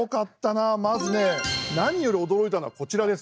まずね何より驚いたのはこちらです。